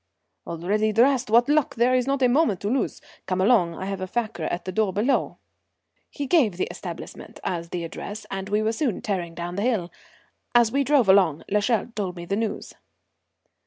"Already dressed? What luck! There is not a moment to lose. Come along. I've a fiacre at the door below." He gave the établissement as the address, and we were soon tearing down the hill. As we drove along l'Echelle told me the news.